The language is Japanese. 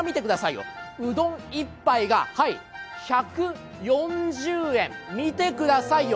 うどん１杯が１４０円、見てくださいよ。